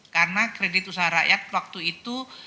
karena kredit usaha rakyat waktu itu